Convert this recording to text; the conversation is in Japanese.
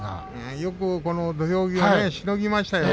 よく土俵際しのぎましたよね。